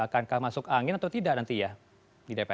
akankah masuk angin atau tidak nanti ya di dpr